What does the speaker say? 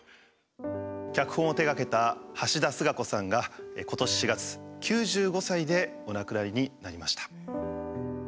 脚本を手がけた橋田壽賀子さんが今年４月９５歳でお亡くなりになりました。